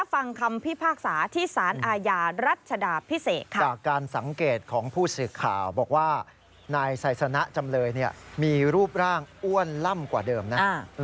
บอกว่านายไซสน่าจำเลยมีรูปร่างอ้วนล่ำกว่าเดิมนะ